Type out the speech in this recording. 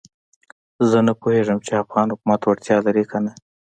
زه نه پوهېږم چې افغان حکومت وړتیا لري کنه.